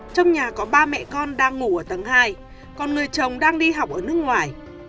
trong nhà có ba mẹ con đang ngủ ở tầng hai còn người chồng đang đi học ở nước ngoài